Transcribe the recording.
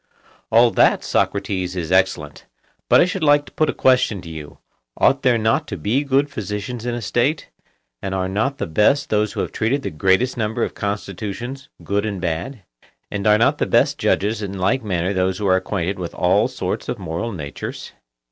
All that, Socrates, is excellent; but I should like to put a question to you: Ought there not to be good physicians in a State, and are not the best those who have treated the greatest number of constitutions good and bad? and are not the best judges in like manner those who are acquainted with all sorts of moral natures?